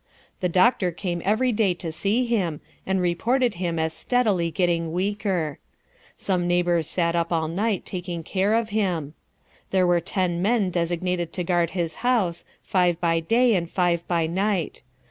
The doctor came every day to see him, and reported him as steadily getting weaker. Some neighbors sat up all night taking care of him. There were ten men designated to guard his house, five by day and five by night.